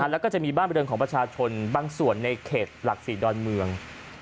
แล้วก็จะมีบ้านบริเวณของประชาชนบางส่วนในเขตหลัก๔ดอนเมือง